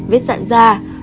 hai vết sạn da